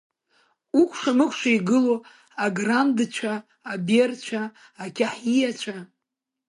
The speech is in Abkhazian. Укәша-мыкәша игылоу аграндцәа, аберцәа, ақьаҳиацәа…